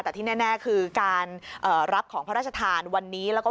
แต่ที่แน่คือการรับของพระราชทานวันนี้แล้วก็